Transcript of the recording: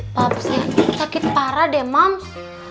pak pesek sakit parah deh moms